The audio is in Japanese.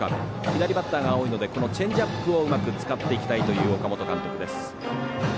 左バッターが多いのでこのチェンジアップをうまく使っていきたいという岡本監督です。